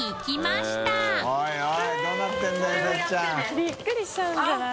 びっくりしちゃうんじゃない？